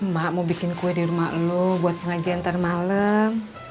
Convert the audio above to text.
mak mau bikin kue di rumah lu buat pengajian ntar malam